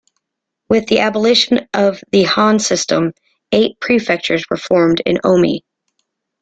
With the abolition of the han system, eight prefectures were formed in Omi.